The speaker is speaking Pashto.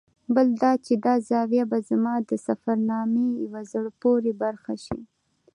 بل دا چې دا زاویه به زما د سفرنامې یوه زړه پورې برخه شي.